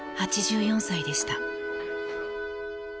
８４歳でした。